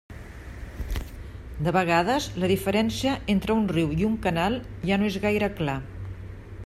De vegades, la diferència entre un riu i un canal ja no és gaire clar.